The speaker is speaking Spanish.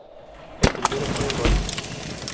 El primero fue "Golf".